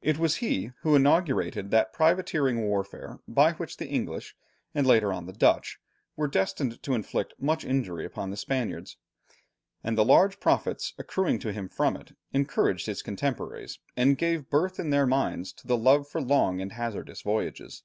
It was he who inaugurated that privateering warfare by which the English, and later on the Dutch, were destined to inflict much injury upon the Spaniards. And the large profits accruing to him from it, encouraged his contemporaries, and gave birth in their minds to the love for long and hazardous voyages.